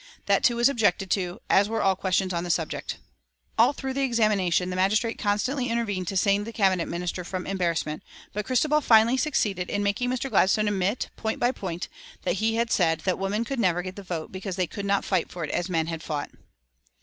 That too was objected to, as were all questions on the subject. All through the examination the magistrate constantly intervened to save the Cabinet Minister from embarrassment, but Christabel finally succeeded in making Mr. Gladstone admit, point by point, that he had said that women could never get the vote because they could not fight for it as men had fought.